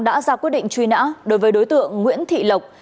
đã ra quyết định truy nã đối với đối tượng nguyễn thị lộc